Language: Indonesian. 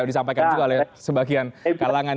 disampaikan juga oleh sebagian kalangan